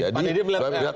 pak didi melihat